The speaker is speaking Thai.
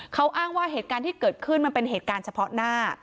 เขาอ้างว่าเหตุการณ์ที่เกิดขึ้นมันเป็นเหตุการณ์เฉพาะหน้า